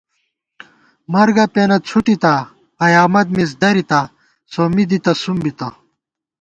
مرگہ پېنہ څھُٹِتا، قیامَت مِز دَرِتا، سومّی دِتہ سُم بِتہ